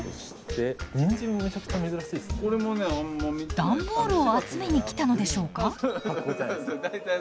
段ボールを集めに来たのでしょうか？